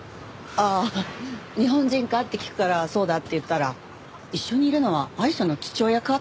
ああ「日本人か？」って聞くから「そうだ」って言ったら「一緒にいるのはアイシャの父親か？」